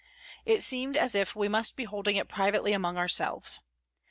It seemed as if we must be holding it privately among ourselves.